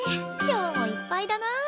今日もいっぱいだなあ。